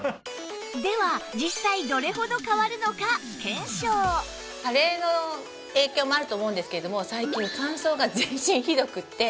では加齢の影響もあると思うんですけれども最近乾燥が全身ひどくって。